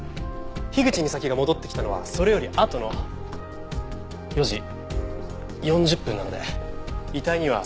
口みさきが戻ってきたのはそれよりあとの４時４０分なので遺体には触れません。